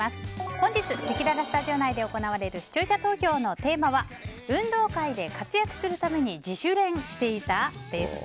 本日、せきららスタジオ内で行われる視聴者投票のテーマは運動会で活躍するために自主練していた？です。